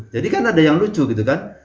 jadi kan ada yang lucu gitu kan